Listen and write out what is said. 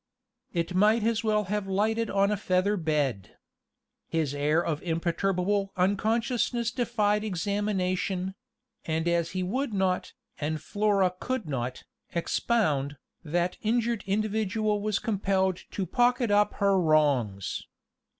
It might as well have lighted on a feather bed. His air of imperturbable unconsciousness defied examination; and as he would not, and Flora could not, expound, that injured individual was compelled to pocket up her wrongs.